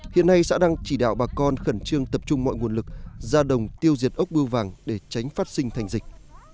hiện nay xã đang chỉ đạo bà con khẩn trương tập trung mọi nguồn lực ra đồng tiêu diệt ốc bưu vàng để tránh phát sinh thành dịch